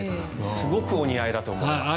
すごくお似合いだと思います。